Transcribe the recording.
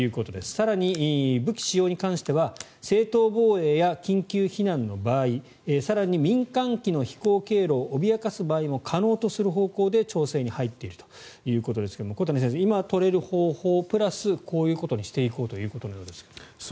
更に武器使用に関しては正当防衛や緊急避難の場合更に民間機の飛行経路を脅かす場合も可能とする方向で、調整に入っているということですが小谷先生、今取れる方法プラスこういうことにしていこうということのようですが。